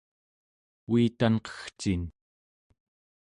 uitanqegcin